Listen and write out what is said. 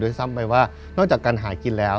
ซ้ำไปว่านอกจากการหากินแล้ว